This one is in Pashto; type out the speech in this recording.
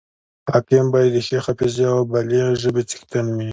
حاکم باید د ښې حافظي او بلیغي ژبي څښتن يي.